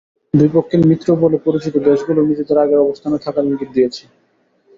দুই পক্ষের মিত্র বলে পরিচিত দেশগুলোও নিজেদের আগের অবস্থানে থাকার ইঙ্গিত দিয়েছে।